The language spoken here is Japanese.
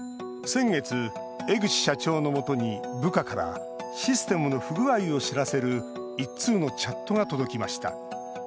先月、江口社長のもとに部下からシステムの不具合を知らせる１通のチャットが届きました。